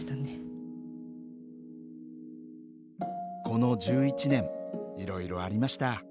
この１１年いろいろありました。